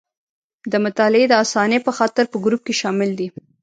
د مطالعې د اسانۍ په خاطر په ګروپ کې شامل دي.